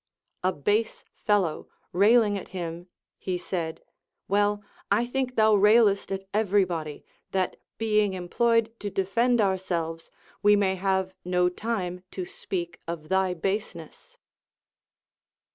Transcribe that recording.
A base fellow railing at him, he said, Well, I think thou railest at everybody, that being employed to defend ourselves, we may have no time to speak of thy baseness.